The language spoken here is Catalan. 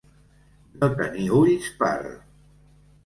No tenir ulls per.